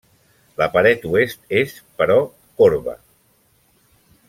La paret oest és, però, corba.